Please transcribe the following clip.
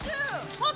もっと！